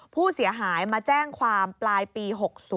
ผู้เสียหายมาแจ้งความปลายปี๖๐